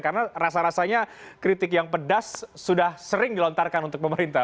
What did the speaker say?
karena rasa rasanya kritik yang pedas sudah sering dilontarkan untuk pemerintah